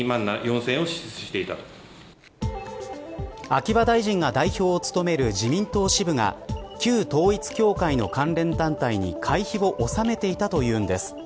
秋葉大臣が代表を務める自民党支部が旧統一教会の関連団体に会費を納めていたというんです。